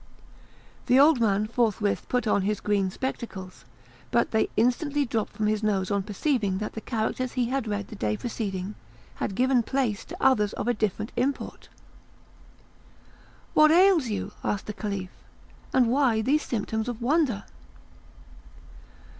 The old man forthwith put on his green spectacles, but they instantly dropped from his nose on perceiving that the characters he had read the day preceding had given place to others of different import. "What ails you?" asked the Caliph; "and why these symptoms of wonder?"